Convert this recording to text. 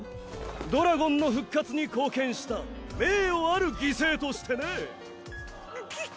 ドラゴンの復活に貢献した名誉ある犠牲としてね！